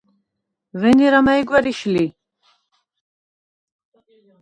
ვენერა მა̈ჲ გვა̈რიშ ლი?